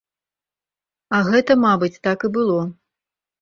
А гэта, мабыць, так і было.